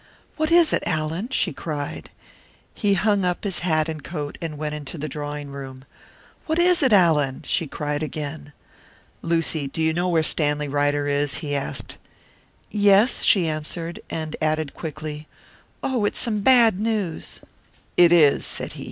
"What is it, Allan?" she cried. He hung up his hat and coat, and went into the drawing room. "What is it, Allan?" she cried again. "Lucy, do you know where Stanley Ryder is?" he asked. "Yes," she answered, and added quickly, "Oh! it's some bad news!" "It is," said he.